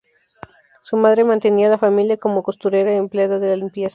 Su madre mantenía la familia como costurera y empleada de limpieza.